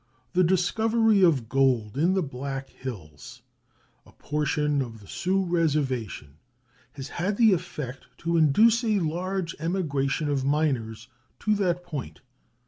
The discovery of gold in the Black Hills, a portion of the Sioux Reservation, has had the effect to induce a large emigration of miners to that point.